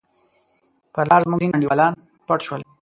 پر لار زموږ ځیني انډیوالان پټ شول.